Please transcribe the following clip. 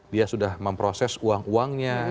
dia sudah memproses uang uangnya